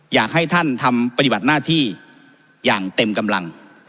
อยากให้ท่านทำปฏิบัติหน้าที่อย่างเต็มกำลัง